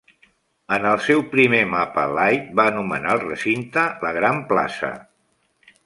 En el seu primer mapa, Light va anomenar el recinte "la gran plaça".